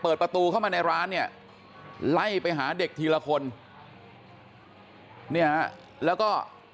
เปิดประตูเข้ามาในร้านเนี่ยไล่ไปหาเด็กทีละคนเนี่ยฮะแล้วก็